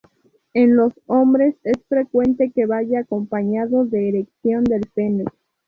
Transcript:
En los hombres es frecuente que vaya acompañado de erección del pene.